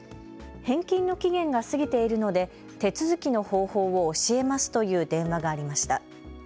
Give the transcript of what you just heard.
返金の期限が過ぎているので手続きの方法を教えますという電話がありました。